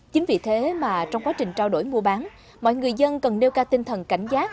chính vì thế mà trong quá trình trao đổi mua bán mọi người dân cần nêu cao tinh thần cảnh giác